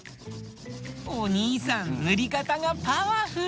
おにいさんぬりかたがパワフル！